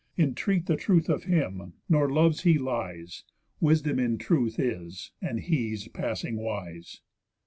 Intreat the truth of him, nor loves he lies, Wisdom in truth is, and he's passing wise."